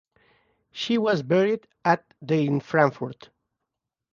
She was buried at the in Frankfurt.